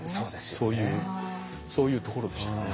そういうそういうところでしたね。